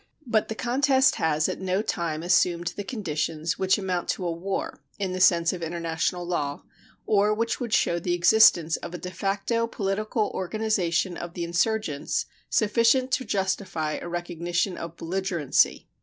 But the contest has at no time assumed the conditions which amount to a war in the sense of international law, or which would show the existence of a de facto political organization of the insurgents sufficient to justify a recognition of belligerency.